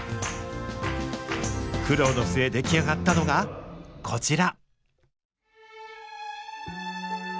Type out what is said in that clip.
苦労の末出来上がったのがこちら。